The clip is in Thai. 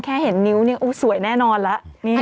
เห็นนิ้วเนี่ยสวยแน่นอนแล้ว